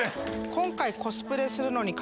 今回。